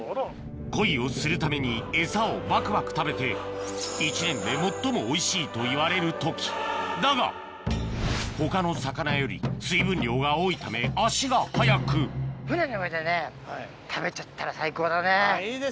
恋をするためにエサをバクバク食べて一年で最もおいしいといわれる時だが他の魚より水分量が多いため足が早くいいですね。